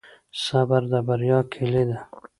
صبر د بریا کلي ده.